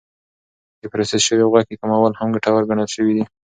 د پروسس شوې غوښې کمول هم ګټور ګڼل شوی دی.